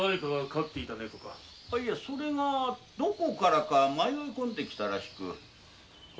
それがどこからか迷いこんできたらしく。